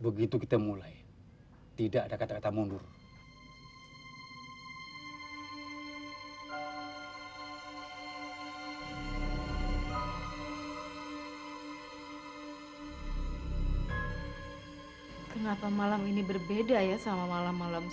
mengikuti apa kata mbah